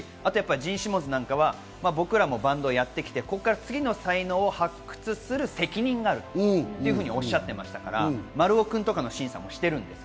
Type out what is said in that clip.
ジーン・シモンズなんかは、僕らもバンドをやってきてここから次の才能を発掘する責任があるとおっしゃっていましたから、丸尾君とかの審査もしてるんです。